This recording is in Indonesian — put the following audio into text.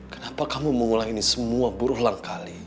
kenapa kamu mau ngulangin ini semua buruk langkali